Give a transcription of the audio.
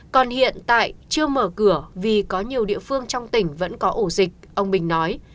còn hiện tại chưa mở cửa vì có nhiều địa phương trong tỉnh vẫn có ổ dịch ông bình nói